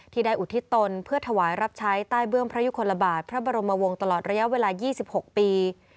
ได้อุทิศตนเพื่อถวายรับใช้ใต้เบื้องพระยุคลบาทพระบรมวงศ์ตลอดระยะเวลา๒๖ปี